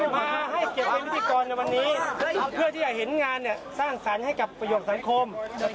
มาให้วันนี้เขาเป็นสินค้าที่ให้เห็นงานที่สร้างสารเกี่ยวกับประหยุดสังคม